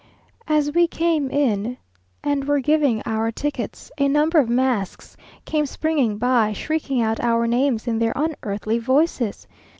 As we came in, and were giving our tickets, a number of masks came springing by, shrieking out our names in their unearthly voices.